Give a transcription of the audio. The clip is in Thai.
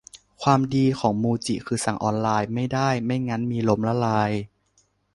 ความดีของมูจิคือสั่งออนไลน์ไม่ได้ ไม่งั้นมีล้มละลาย